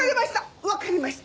わかりました！